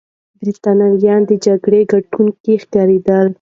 برتانويان د جګړې ګټونکي ښکارېدل.